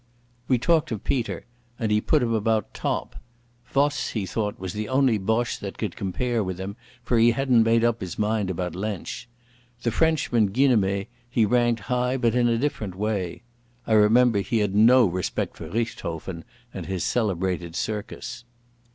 We talked of Peter, and he put him about top. Voss, he thought, was the only Boche that could compare with him, for he hadn't made up his mind about Lensch. The Frenchman Guynemer he ranked high, but in a different way. I remember he had no respect for Richthofen and his celebrated circus.